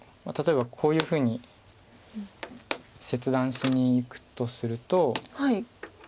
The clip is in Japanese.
例えばこういうふうに切断しにいくとすると。